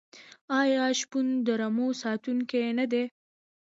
آیا شپون د رمو ساتونکی نه دی؟